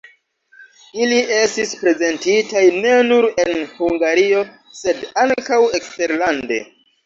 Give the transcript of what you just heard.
Ili estis prezentitaj ne nur en Hungario, sed ankaŭ eksterlande.